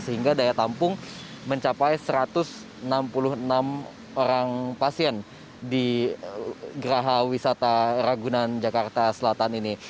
sehingga daya tampung mencapai satu ratus enam puluh enam orang pasien di geraha wisata ragunan jakarta selatan ini